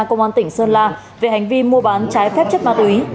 công an tỉnh sơn la về hành vi mua bán trái phép chất ma túy